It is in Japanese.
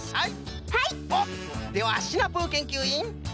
おっではシナプーけんきゅういん。